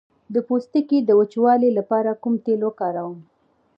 د پوستکي د وچوالي لپاره کوم تېل وکاروم؟